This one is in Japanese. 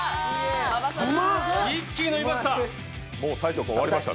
一気に伸びました。